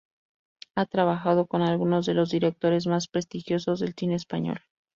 Ha trabajado con algunos de los directores más prestigiosos del cine español.